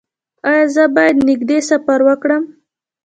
ایا زه باید نږدې سفر وکړم؟